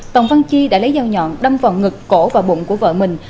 tổng văn chi đã lấy dao nhọn đâm vào ngực cổ và bụng của vợ mình